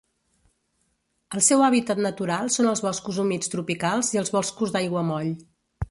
El seu hàbitat natural són els boscos humits tropicals i els boscos d'aiguamoll.